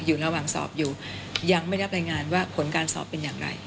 อยู่ระหว่างสอบอยู่ยังไม่ได้รับรายงานว่าผลการสอบเป็นอย่างไร